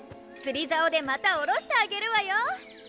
釣りざおでまた下ろしてあげるわよ。